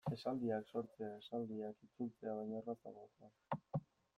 Esaldiak sortzea esaldiak itzultzea baino errazagoa da.